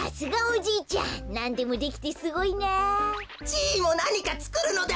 じいもなにかつくるのだ！